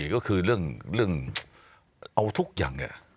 ก็คือเรื่องเอาทุกอย่าง